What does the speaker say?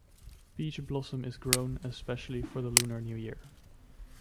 Peach blossom is grown especially for the Lunar New Year.